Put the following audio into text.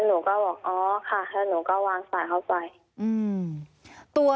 หนูก็บอกอ๋อค่ะแล้วหนูก็วางสายเข้าไปอืม